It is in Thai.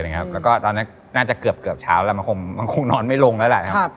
แล้วก็ตอนนั้นน่าจะเกือบเช้าแล้วมันคงนอนไม่ลงแล้วแหละครับ